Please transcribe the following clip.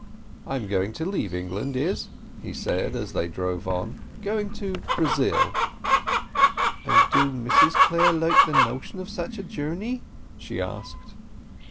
"I am going to leave England, Izz," he said, as they drove on. "Going to Brazil." "And do Mrs Clare like the notion of such a journey?" she asked.